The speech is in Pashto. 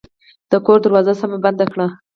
د کور دروازه سمه بنده کړئ